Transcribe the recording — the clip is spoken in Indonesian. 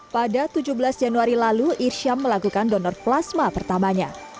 pada tujuh belas januari lalu irsyam melakukan donor plasma pertamanya